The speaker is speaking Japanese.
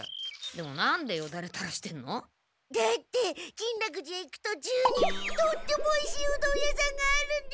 でもなんでよだれたらしてんの？だって金楽寺へ行くとちゅうにとってもおいしいうどん屋さんがあるんです！